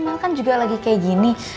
mel juga sedang seperti ini